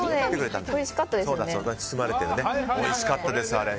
おいしかったですよね。